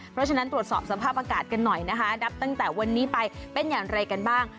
เพราะฉะนั้นตรวจสอบสภาพอากาศกันหน่อยนะคะนับตั้งแต่วันนี้ไปเป็นอย่างไรกันบ้าง